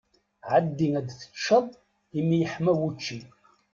Ɛeddi ad teččeḍ imi yeḥma wučči!